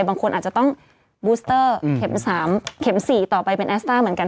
บางคนอาจจะต้องบูสเตอร์เข็ม๓เข็ม๔ต่อไปเป็นแอสต้าเหมือนกัน